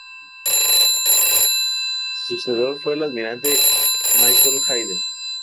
Su sucesor fue el almirante Michael Hayden.